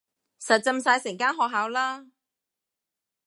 實浸晒成間學校啦